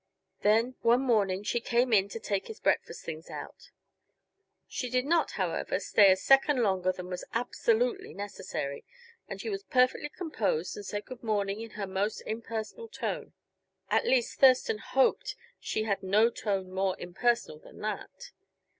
Then one morning she came in to take his breakfast things out. She did not, however, stay a second longer than was absolutely necessary, and she was perfectly composed and said good morning in her most impersonal tone. At least Thurston hoped she had no tone more impersonal than that.